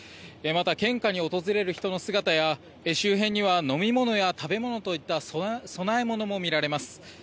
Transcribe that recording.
また、献花に訪れる人の姿や周辺には飲み物や食べ物といった供え物も見られます。